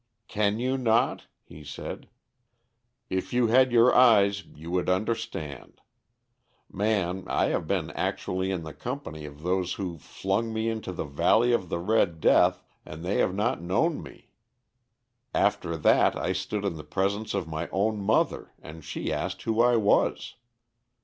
"Can you not?" he said. "If you had your eyes you would understand. Man, I have been actually in the company of those who flung me into the valley of the Red Death and they have not known me. After that I stood in the presence of my own mother, and she asked who I was.